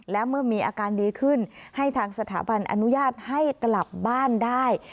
และเมื่อมีอาการดีขึ้นให้ทางสถาบันอนุญาตให้กลับบ้านได้